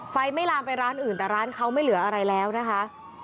ไม่ลามไปร้านอื่นแต่ร้านเขาไม่เหลืออะไรแล้วนะคะ